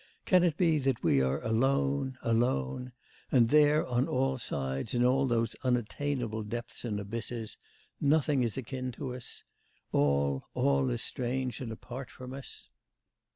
Can it be that we are alone... alone... and there, on all sides, in all those unattainable depths and abysses nothing is akin to us; all, all is strange and apart from us?